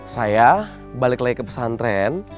saya balik lagi ke pesantren